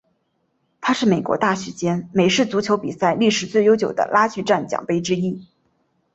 它是美国大学间美式足球比赛历史最悠久的拉锯战奖杯之一。